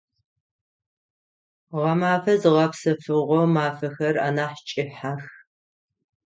Гъэмэфэ зыгъэпсэфыгъо мафэхэр анахь кӏыхьэх.